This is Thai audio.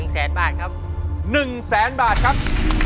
แสนบาทครับ๑แสนบาทครับ